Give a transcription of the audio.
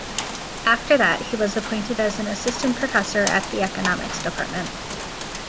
After that, he was appointed as an Assistant Professor at the Economics Department.